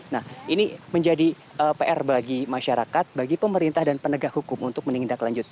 nah ini menjadi pr bagi masyarakat bagi pemerintah dan penegak hukum untuk menindaklanjuti